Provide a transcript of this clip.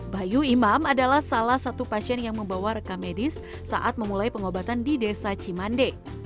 bayu imam adalah salah satu pasien yang membawa rekam medis saat memulai pengobatan di desa cimande